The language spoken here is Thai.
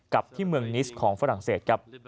กลับที่เมืองนิสต์ของฝรั่งเศส